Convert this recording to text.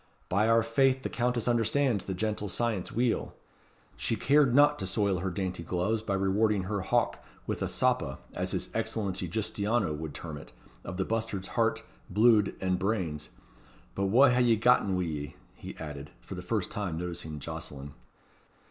By our faith the Countess understands the gentle science weel. She cared not to soil her dainty gloves by rewarding her hawk with a soppa, as his Excellency Giustiniano would term it, of the bustard's heart, bluid, and brains. But wha hae ye gotten wi' ye?" he added, for the first time noticing Jocelyn.